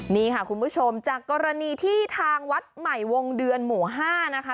นี่ค่ะคุณผู้ชมจากกรณีที่ทางวัดใหม่วงเดือนหมู่๕นะคะ